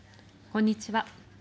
こんにちは。